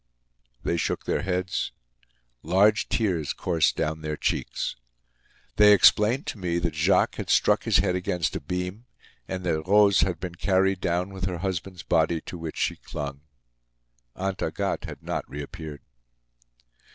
They shook their heads. Large tears coursed down their cheeks. They explained to me that Jacques had struck his head against a beam and that Rose had been carried down with her husband's body, to which she clung. Aunt Agathe had not reappeared.